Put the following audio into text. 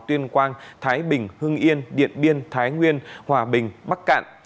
tuyên quang thái bình hưng yên điện biên thái nguyên hòa bình bắc cạn